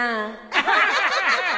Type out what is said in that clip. アハハハ。